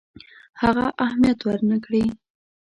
هغه اهمیت ورنه کړي.